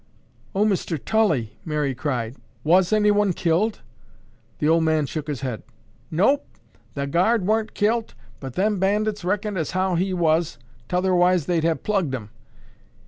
"Oh, Mr. Tully," Mary cried, "was anyone killed?" The old man shook his head. "Nope, the guard wa'n't kilt, but them bandits reckoned as how he was, 'totherwise they'd have plugged him.